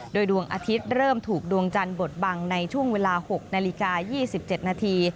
โดยดวงอาทิตย์เริ่มถูกดวงจันทร์บทบังในช่วงเวลา๖นาฬิกา๒๗นาที